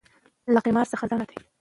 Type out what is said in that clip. له قمار څخه ځان وساتئ.